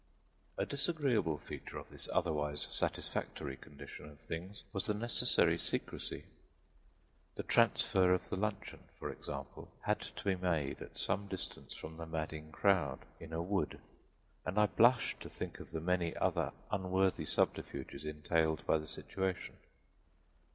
A disagreeable feature of this otherwise satisfactory condition of things was the necessary secrecy: the transfer of the luncheon, for example, had to be made at some distance from the madding crowd, in a wood; and I blush to think of the many other unworthy subterfuges entailed by the situation.